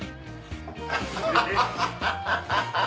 ハハハハハ！